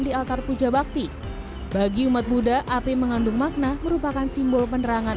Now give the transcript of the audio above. di altar puja bakti bagi umat buddha api mengandung makna merupakan simbol penerangan